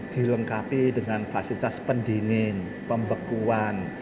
dilengkapi dengan fasilitas pendingin pembekuan